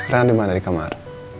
reina dimana di kamar